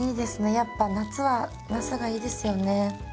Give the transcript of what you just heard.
やっぱ夏はなすがいいですよね。